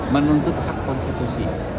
menuntut hak konstitusi